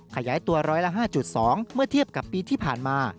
ขยายตัวร้อยละ๕๒เมื่อเทียบกับปีที่ผ่านมา